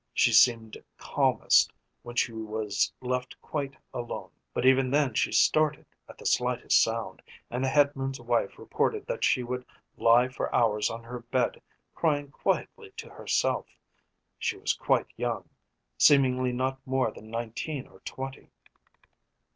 She seemed calmest when she was left quite alone, but even then she started at the slightest sound, and the headman's wife reported that she would lie for hours on her bed crying quietly to herself. She was quite young seemingly not more than nineteen or twenty.